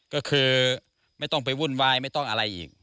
ก็คือไม่ต้องไปวุ่นวายไม่ต้องอะไรอีก